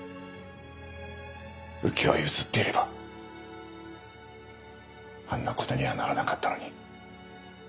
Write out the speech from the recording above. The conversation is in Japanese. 浮き輪を譲っていればあんなことにはならなかったのに。